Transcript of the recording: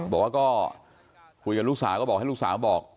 บอกว่าก็คุยกับลูกสาวก็บอกให้ลูกสาวบอก